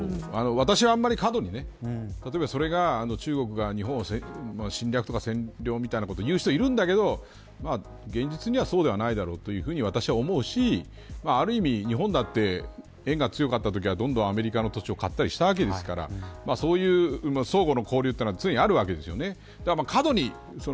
私は、あまり過度にそれが中国が日本の侵略とか占領とか言う人もいるんだけど現実にはそうではないだろうというふうに私は思うしある意味日本だって円が強かったときはどんどんアメリカの土地を買ったりしたわけですからそういう相互の交流というのは常にあるわけですよね。